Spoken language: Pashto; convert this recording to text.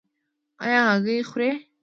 ایا هګۍ خورئ؟